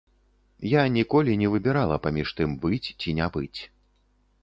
Я ніколі не выбірала паміж тым быць ці не быць.